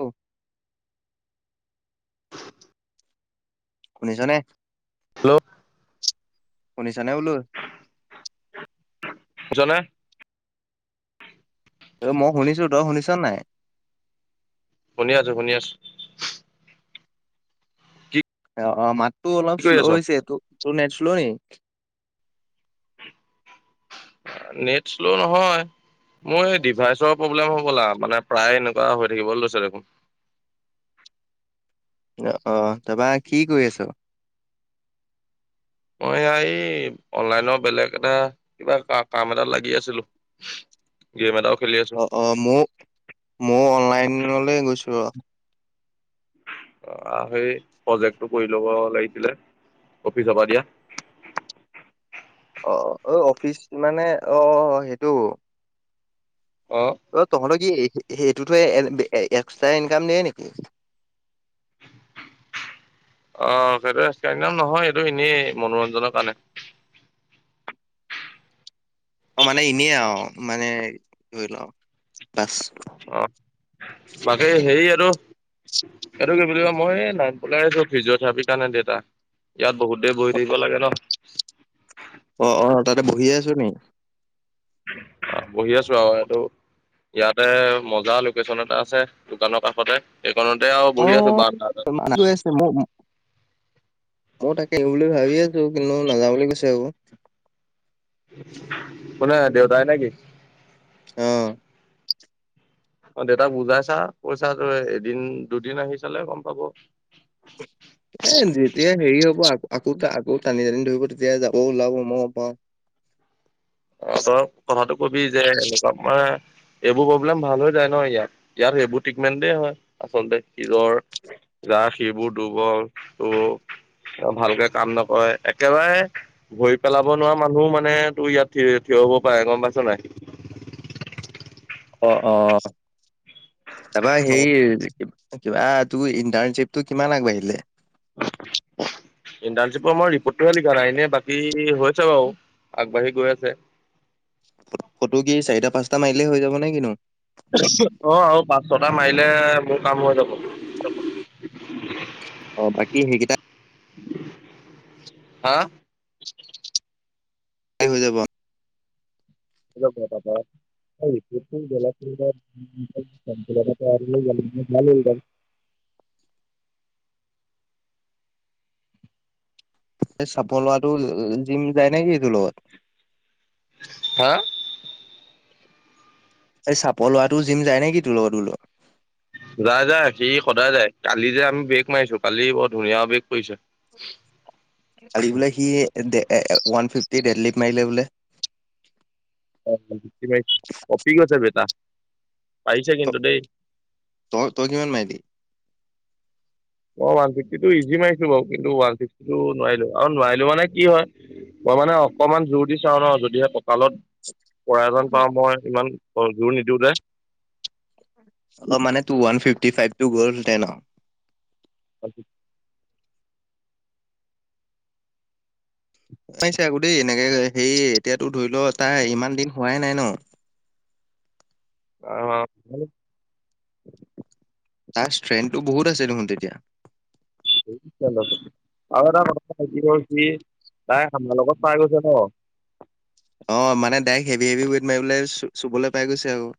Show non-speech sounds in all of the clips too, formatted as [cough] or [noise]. অ', শুনিছানে? হেল্ল', শুনিছানে উলো? [unintelligible] এ, মই শুনিছোঁ, তই শুনিছ নাই? শুনি আছোঁ, শুনি আছ অ', অ', মাতটো অলপ কি কৰি শ্ল' আছ? হৈছে, তো-তোৰ নেট শ্ল' নি? নেট শ্ল' নহয়। মোৰ এই ডিভাইচৰ প্ৰব্লেম হব'লা, মানে প্ৰায় এনেকুৱা হৈ থাকিব লৈছে দেখোন। অ', অ', তাৰপা কি কৰি আছ? মই এইয়া এই অনলাইনৰ বেলেগ এটা কিবা কাম এটাত লাগি আছিলো। গেম [unintelligible] অ', অ', মওঁ-মওঁ অনলাইনঅলে গৈছো ৰ' অ, আহ সেই প্ৰজেক্টটো কৰি ল'ব লাগিছিলে অফিচ পা দিয়া। অ অ অফিচ মানে অ সেইটো। অ' তহঁত কি সেইটোতো এক্সট্ৰা ইনকাম দিয়ে নেকি? আহ সেইটো নহয় এইটো এনেই মনোৰঞ্জনৰ কাৰণে। অ মানে এনেই আৰু মানে [unintelligible] অ বাকী হেই এটো এইটো কি বুলি কয় মই এই নাইনপলাই আছো ফিজিঅথেৰাপিৰ কাৰণে দেউতা। ইয়াত বহুত দেৰি বহি থাকিব লাগে ন। অ অ তাতে বহিয়ে আছ নি? বহি আছো আৰু এইটো ইয়াতে মজা লোকেশ্যন এটা আছে দোকানৰ কাষতে। সেইকণতে আৰু অ বহি আছো বাৰান্দাত। [unintelligible] মই তাকে আহো বুলি ভাবি আছো কিন্তু নাযওঁ বুলি কৈছে আৰু। কোনে দেউতায় নে কি? আহ অ দেউতাক বুজাইছা কৈছা এদিন দুদিন আহি চালে গম পাব। এ যেতিয়া হেৰি হব আকৌ আকৌ আকৌ টানি টানি ধৰিব তেতিয়া যাব ওলাব মই পাওঁ। অ তই কথাটো কবি যে এনেকুৱা [unintelligible] এইবোৰ প্ৰব্লেম ভাল হৈ যায় ন ইয়াত ইয়াত সেইবোৰ ট্ৰিটমেণ্টেই হয় আচলতে সিৰৰ যাৰ শিৰবোৰ দুৰ্বল ভালকে কাম নকৰে একেবাৰে ধৰি পেলাব নোৱাৰা মানুহো মানে তোৰ ইয়াত থিয় থিয় হ'ব পাৰে গম পাইছ নাই। অ অ তাৰপৰা হেৰি কিবা তোৰ ইণ্টাৰণশিপটো কিমান আগবাঢ়িলে? ইণ্টাৰশ্বিপৰ মই ৰিপৰ্টটোহে লিখা নাই, এনে বাকী হৈছে বাৰু আগবাঢ়ি গৈ আছে। ফটো কি চাৰিটা পাঁচটা মাৰিলে হৈ যাব নে কিনু? অ আৰু পাঁচ ছটা মাৰিলে মোৰ কাম হৈ যাব। [unintelligible] [inaudible] অ বাকী হেইকেইটা হা হৈ যাব। [inaudible] [inaudible] [inaudible] সেই চাপৰ লৰাটো জিম যায় নেকি তোৰ লগত। হা? এই চাপৰ লোৱাটো জিম যায় নেকি তোৰ লগত তোৰ লগত? যায় যায় সি সদায় যায় কালি যে আমি বেগ মাৰিছো কালি বৰ ধুনীয়া বেগ পৰিছে। [unintelligible] কালি বোলে সি ওৱান ফিফটি ডেডলিভ মাৰিলে বোলে? [unintelligible] কপি গছে বেটা। পাৰিছে ত কিন্তু দেই তই তই কিমান মাইলি? অ ওৱান ফিফটিটো ইজি মাৰিছো বাৰু কিন্তু ওৱান চিক্সটিটো নোৱাৰিলো আৰু নোৱাৰিলো মানে কি হয় মই মানে অকমান জোৰ দি চাওঁ ন যদিহে কঁকালত পৰাজন পাওঁ, মই ইমান জোৰ নিদিওঁতে অ', মানে টু ওৱান ফিফটি ফাইভটো গ'ল দে ন। হয়, পাইছে আকৌ দেই এনেকে সেই এতিয়াতো ধৰি ল তাই ইমান দিন হোৱাই নাই ন। অ', তাৰ ষ্ট্ৰেংটো বহুত আছে দেখোন তেতিয়া। [inaudible] তাই আমাৰ লগত পাই গৈছে ন? অ', মানে ডাইক হেভি হেভি ৱেইট মাৰিবলৈ চুবলৈ পাই গৈছে আকৌ।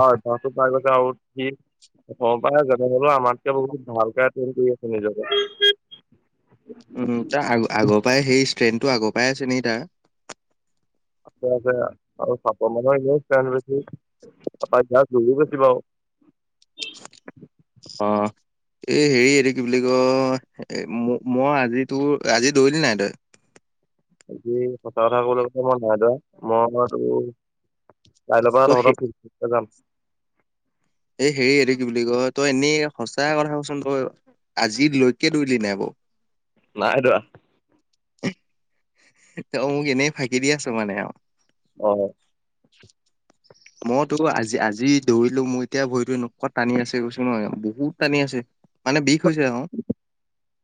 অ' [unintelligible] আৰু সি গম পাই যেনে হলেও আমাতকে বহুত ভালকে ট্ৰেইন কৰি আছে নিজকে। [inaudible] উম, তাৰ আগ আগৰ পৰাই সেই ষ্ট্ৰেন্থটো আগৰ পৰাই আছে নেকি তাৰ? আছে আছে আৰু চাপৰ মানুহ এনেও ষ্ট্ৰেংথ বেছি [unintelligible] [unintelligible] অ', এ হেৰি এইটো কি বুলি ক এ মই মই আজিতো আজি দৌৰিলি নাই তই? [inaudible] আজি সঁচা কথা কবলৈ গ'লে মই নাই দৰা মই মই তোৰ কাইলৈৰ পৰা তই সেই তহঁতৰ ফিল্ডটোতেই যাম। এই হেৰি সেটো কি বুলি কয় তই এনেই সঁচা কথা কচোন তই আজিলৈকে দৌৰিলি নাই বাৰু। নাই দৰা। ত' মোক এনেই ফাঁকি দি আছো আৰু। অ', মইতো আজি আজি দৌৰিলো মোৰ এতিয়া ভৰিতো এনেকুৱা টানি আছে কৈছো নহয় বহুত টানি আছে। মানে বিষ হৈছে আৰু।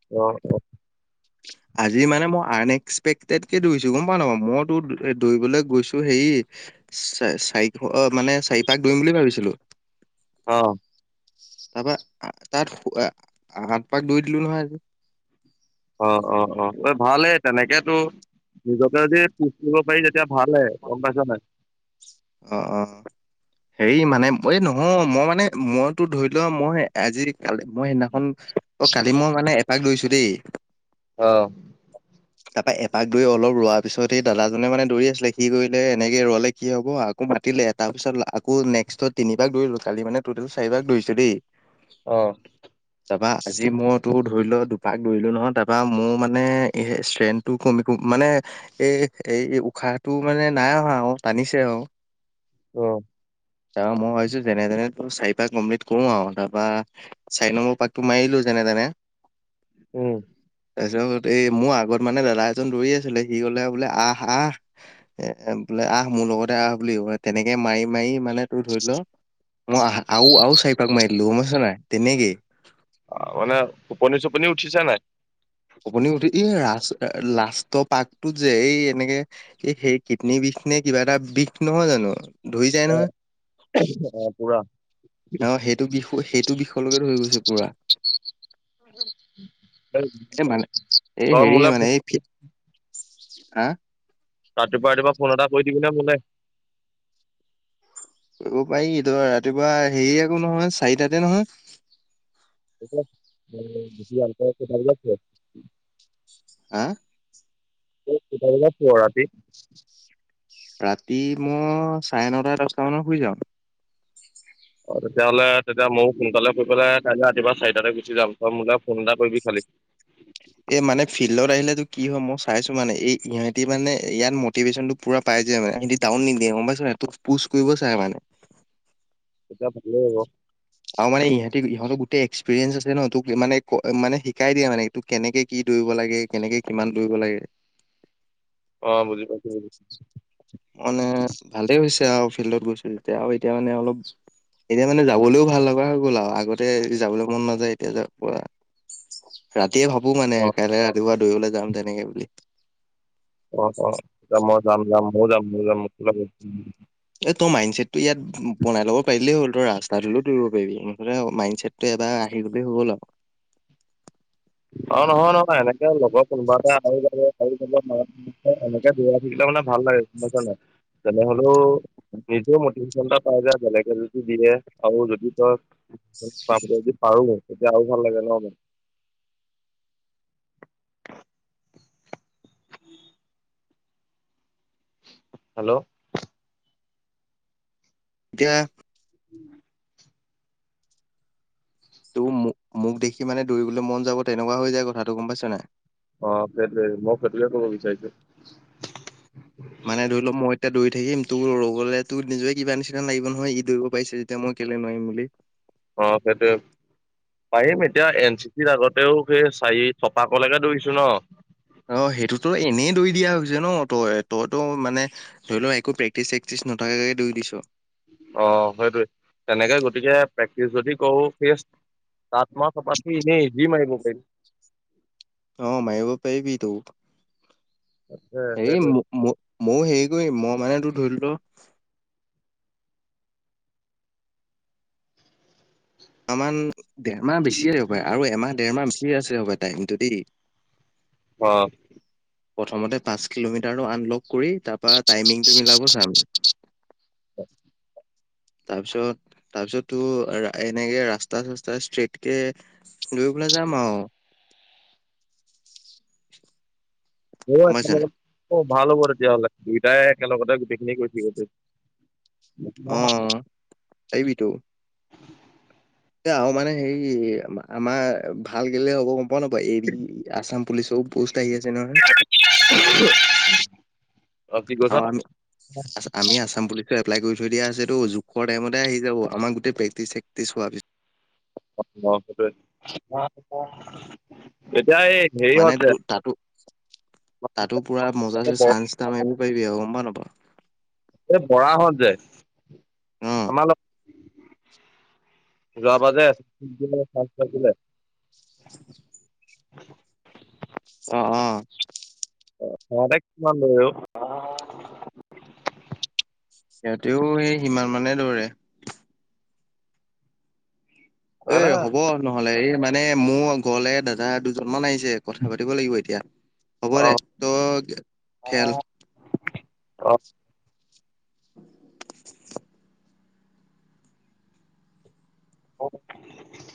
অ', [inaudible] আজি মানে মই আন এক্সপেক্টেড কে দৌৰিছো গম পা নাপ মইতো দৌৰিবলৈ গৈছো হেৰি চ চাৰি অ মানে চাৰিপাক দুৰিম বুলি ভাবিছিলো। অ', তাৰপা তাত হাত পাক দৈৰি দিলো নহয় আজি। অ', অ', অ', ভালেই তেনেকেতো নিজকে যদি পুশ কৰিব পাৰি তেতিয়া ভালেই। গম পাইছোঁ নাই? অ', অ', হেৰি মানে এই নহয় মই মানে মইতো ধৰি লোৱা মই আজি কালি মই সেইদিনাখন অ কালি মই মানে এপাক দৰিছো দেই অহ। তাৰপা এপাক দৌৰি অলপ ৰোৱাৰ পিছত সেই দাদাজনে মানে দৌৰি আছিলে সি কৰিলে এনেকে ৰলে কি হব অ আকৌ মাতিলে তাৰপিছত আকৌ নেক্সটত তিনিপাক দৌৰিলো কালি মানে টোটেল চাৰিপাক দৌৰিছোঁ দেই। অহ। তাৰপা আজি মইতো ধৰি লোৱা দুপাক দৌৰিলো নহয় তাৰপা মোৰ মানে ষ্ট্ৰেনটো কমি কমি মানে এই এই উশাহটো মানে নাই অহা আৰু টানিছে আৰু। অ', তাৰ মই ভাবিছো যেনে তেনে ত চাৰি পাক কমপ্লিট কৰো আৰু তাৰপৰা চাৰি নম্বৰ পাকটো মাৰিলো যে যেনে-তেনে। উম, তাৰপিছত এই মোৰ আগত মানে দাদা এজন দৌৰি আছিলে সি গলে বোলে আহ আহ এ আহ মোৰ লগতে আহ বুলি ক তেনেকে মাৰি মাৰি মানে টোৰ ধৰি ল মই অহ আৰু চাৰিপাক মাৰি দিলো গম পাইছ নে নাই তেনেকেই। অ মানে টোপনি চুপনি উঠিছে নাই? উপনি উঠ এই ৰা লাষ্ট পাকটো যে এই এনেকে এই সেই কিডনী বিষ বিষ নে কিবা এটা বিষ নহয় জানো ধৰি যায় নহয়। অ' অ পুৰা। অ সেইটো বিষ সেইটো বিষলৈকে ধৰি গৈছে পুৰা। এই মানে এই তই হেৰি মোলে ফো- মানে এই আ ৰাতিপুৱা ৰাতিপুৱা ফোন এটা কৰি দিবিনে মোলে। কৰিব পাৰিটো ৰাতিপুৱা হেৰি একো নহয় চাৰিটাতে নহয়। [unintelligible] হা কেইটা বজাত শুৱ ৰাতি? ৰাতি মই চাৰে নটা দচটা মানত শুই যাওঁ। অ তেতিয়াহ'লে তেতিয়া ময়ো সোনকালে শুই পেলাই কাইলৈ ৰাতিপুৱা চাৰিটাতে গুচি যাম তই মোলৈ ফোন এটা কৰিবি খালি। এই মানে ফিল্ডত আহিলেতো কি হয় মই চাইছো মানে এই ইহঁতি মানে ইয়াত মটিভেশ্যনটো পুৰা পাই যায় মানে সিহঁতি টাও নিদিয়ে গম পাইছ নাই? তোক পুচ কৰিব চাই মানে। তেতিয়া ভালেই হব। তো এক্সপিৰিয়েঞ্চ আছে ন তোক মানে ক মানে শিকাই দিয়ে মানে তোক কেনেকে কি দৌৰিব লাগে কেনেকে কিমান দৌৰিব লাগে। অ' বুজি পাইছো বুজি মানে ভালেই হৈছে আৰু ফিল্ডত গৈছো যেতিয়া আৰু এতিয়া মানে অলপ এতিয়া মানে যাবলৈও ভাল লগা হৈ গ'ল আৰু আগতে যাবলৈ মন নাযায় এতিয়া যা পূৰা ৰাতিয়ে ভাবো মানে অ' কাইলে ৰাতিপুৱা দৌৰিবলৈ যাম তেনেকে বুলি। অ অ যাম মই যাম যাম ম যাম ম যাম। এই তই মাইণ্ড ছেটটো ইয়াত বনাই ল'ব পাৰিলেই হ'ল তই ৰাস্তাট হলেও দৌৰিব পাৰিবি মুঠতে মাইণ্ড ছেটটো এবাৰ আহি গলে হল আৰু। অ নহয় নহয় এনেকে লগৰ কোনোবা এটা [unintelligible] [unintelligible] থাকিলে মানে ভাল লাগে নাইছ নাই তেনেহলেও নিজে মটিভেশ্যন এটা পাই যে বেলেগে যদি দিয়ে আৰু যদি তই [unintelligible] আৰু তেতিয়া আৰু ভাল লাগে ন। উ হেল্ল' এতিয়া উম। তোৰ মোক মোক দেখি মানে দৌৰিবলৈ মন যাব তেনেকুৱা হৈ যায় কথাটো গ'ম পাইছ নাই। অ' সে মই সেইটো ক'ব বিচাৰিছো। মানে ধৰি লওঁক, মই এতিয়া দৌৰি থাকিম তোৰ ৰলে তোৰ নিজে কিবা নিচিনা লাগিব নহয়, ই দৌৰিব পাৰিছে যেতিয়া মই কেলে নোৱাৰিম বুলি অ' সেটো পাৰিম এতিয়া এন চি চিৰ আগতেও সেই চাৰি চপাকলৈকে দৌৰিছো ন। অ' সেইটোতো এনেই দৌৰি দিয়া হৈছে ন তই তইতো মানে ধৰি লওঁ একো প্ৰেক্টিচ চেক্টিচ নাই। নথাকাকে দৌৰি দিছো। অ সেইটোৱে তেনেকে গতিকে প্ৰেক্টিচ যদি কৰো সেই [unintelligible] এনেই ইজি মাৰিব পাৰিম। অ মাৰিব পৰিবিটো। এ হেৰি সেইটোৱে ম মই হেৰি কৰিম মই মানে তোৰ ধৰি ল এমাহমান দেৰমাহ বেছিয়ে দিব পাৰে আৰু এমাহ ডেৰমাহ ঠিক আছে হ'বা টাইমটো দেই। অহ। প্ৰথমতে পাঁচ কিলোমিটাৰ আনলক কৰি তাৰপ টাইমিংটো মিলাব চাম। তাৰপিছত তাৰপিছত তোৰ এনেকে ৰাস্তা চস্তা ষ্ট্ৰেইটকে দুই যাম আৰু অ' গম পাইছা একেলগ নাই? অ' ভাল হ'ব তেতিয়াহলে দুইটাই একেলগতে গোটেইখিনি কৰি [unintelligible] অ' পাৰিবিটো। আৰু মানে হেৰি আমাৰ ভাল গেলে হ'ব। হ'ব ৰবা এই আছাম পুলিচও পোষ্ট আহি আছে নহয়। কি কৈছ অ' আমি, আমি আছাম পুলিচ এপ্লেলাই কৰি থৈ দিয়া আছে জোখৰ টাইমতে আহি যাব আমাৰ গোটে প্ৰেক্টিচ চেকটি হোৱাৰ পিছত অ' [unintelligible] মানে হেৰিহঁত যে ত তাতো তাতো পুৰা মজা এই বৰ চানান্স এটা [unintelligible] অ' গ'ম পাওঁ নে নাপাওঁ। এই বৰাহত যে অ', [unintelligible] যোৱা বা যে [unintelligible] অ' অ' [unintelligible] সিহঁতেও সেই সিমান মানে দৌৰে। হয় এ না হ'ব নহ'লে এই মানে মোৰ ঘৰলে দাদা দুজনমান আহিছে। যে কথা পাতিব লাগিব এতিয়া হ'ব অ দে তই খেল। অ' [unintelligible] অ'